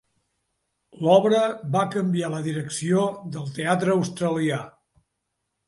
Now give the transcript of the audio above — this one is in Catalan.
L'obra va canviar la direcció del teatre australià.